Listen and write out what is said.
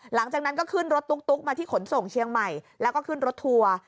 หลังจากนั้นก็ขึ้นรถตุ๊กมาที่ขนส่งเชียงใหม่แล้วก็ขึ้นรถทัวร์